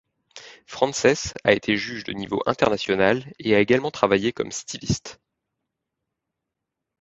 Frances a été juge de niveau international et a également travaillé comme styliste.